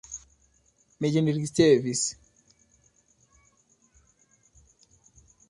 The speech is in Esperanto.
Mi ĝin ricevis.